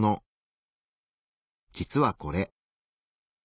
実はこれ。